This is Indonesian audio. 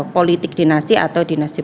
politik dinasi atau dinasik